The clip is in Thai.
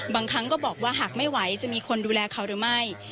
บางครั้งก็บอกว่าหากไม่ไหวจะมีคนดูแลเขาหรือไม่